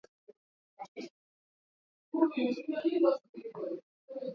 Mwaka elfu moja Mia tisa na sabini na saba Amin alivunja uhusiano wa kidiplomasia